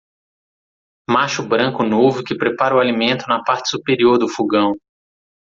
Macho branco novo que prepara o alimento na parte superior do fogão.